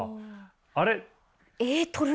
あれ？